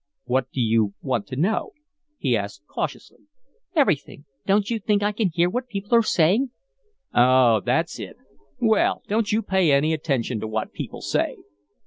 "What do you want to know?" he asked, cautiously. "Everything. Don't you think I can hear what people are saying?" "Oh, that's it! Well, don't you pay any attention to what people say."